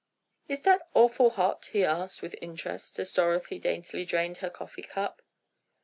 "Is dat orful hot?" he asked with interest, as Dorothy daintily drained her coffee cup.